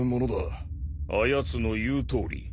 あやつの言うとおり。